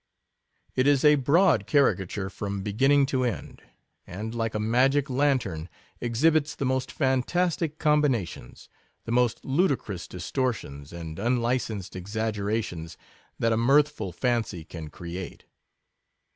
It is a broad caricature from beginning to end ; and, like a IX magic lantern, exhibits the most fantastic combinations, the most ludicrous distortions, and unlicensed exaggerations, that a mirthful fancy can create.